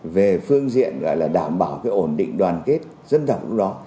về phương diện gọi là đảm bảo cái ổn định đoàn kết dân tộc lúc đó